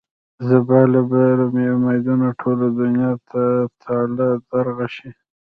د سبا لپاره مې د امېدونو ټوله دنيا تالا ترغه شي.